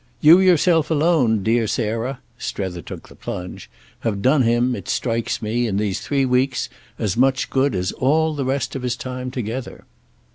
"You yourself alone, dear Sarah"—Strether took the plunge—"have done him, it strikes me, in these three weeks, as much good as all the rest of his time together."